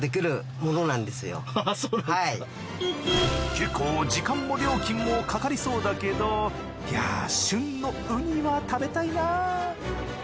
結構時間も料金もかかりそうだけどやぁ旬のウニは食べたいな。